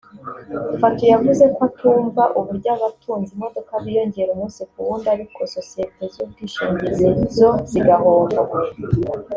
Fatou yavuze ko atumva uburyo abatunze imodoka biyongera umunsi ku wundi ariko sosiyete z’ubwishingizi zo zigahomba